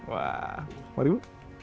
wah mari bu